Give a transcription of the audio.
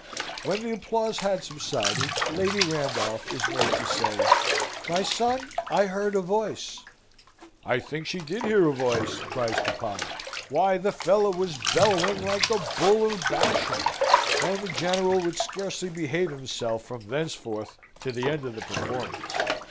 When the applause had subsided, Lady Randolph is made to say "My son, I heard a voice!" "I think she did hear a voice!" cries papa. "Why, the fellow was bellowing like a bull of Bashan." And the General would scarcely behave himself from thenceforth to the end of the performance.